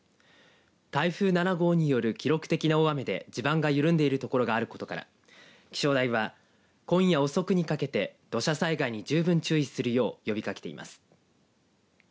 台風７号による記録的な大雨で地盤が緩んでいるところがあることから、気象台は今夜遅くにかけて土砂災害に十分注意するよう呼びかけています。